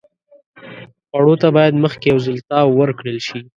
خوړو ته باید مخکې یو ځل تاو ورکړل شي.